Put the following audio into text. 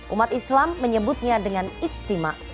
umat islam menyebutnya dengan ijtima